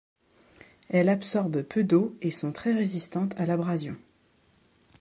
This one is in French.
Elle absorbe peu d'eau et sont très résistante à l'abrasion.